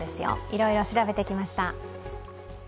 いろいろ調べてきました。